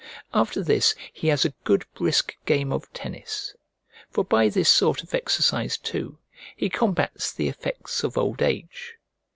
After this he has a good brisk game of tennis: for by this sort of exercise too, he combats the effects of old age.